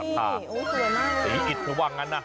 สวยมากสีอิดเธอว่างั้นนะ